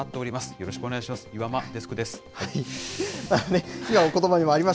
よろしくお願いします。